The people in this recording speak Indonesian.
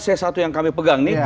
c satu yang kami pegang nih